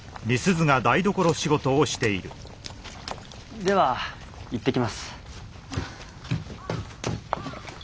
では行ってきます。